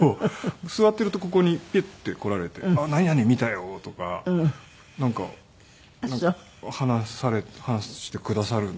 座っているとここにピュッて来られて「何々見たよ」とかなんか話してくださるので。